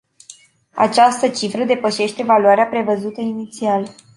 Această cifră depășește valoarea prevăzută inițial.